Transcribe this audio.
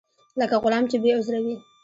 لکه غلام چې بې عذره وي.